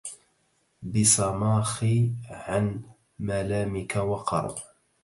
بصماخي عن ملامك وقر